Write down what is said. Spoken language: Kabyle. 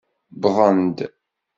Wwḍen-d.